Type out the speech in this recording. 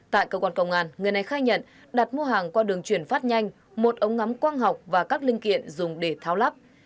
tại cơ quan công an người này khai nhận đặt mua hàng qua đường chuyển phát nhanh một ống ngắm quang học và các linh kiện dùng để tháo lắp